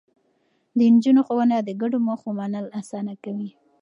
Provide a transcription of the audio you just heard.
د نجونو ښوونه د ګډو موخو منل اسانه کوي.